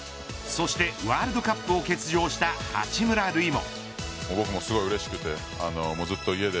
そして、ワールドカップを欠場した八村塁も。